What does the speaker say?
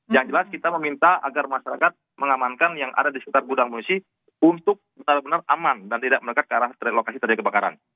yang jelas kita meminta agar masyarakat mengamankan yang ada di sekitar gudang pengungsi untuk benar benar aman dan tidak menekat ke arah lokasi terjadi kebakaran